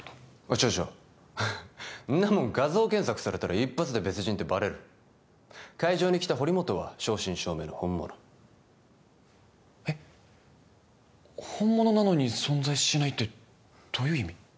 違う違うんなもん画像検索されたら一発で別人ってバレる会場に来た堀本は正真正銘の本物えっ本物なのに存在しないってどういう意味？